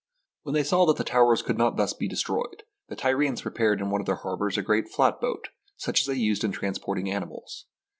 When they saw that the towers could not thus be destroyed, the Tyrians prepared in one of their har bours a great flatboat such as they used in transport ing animals.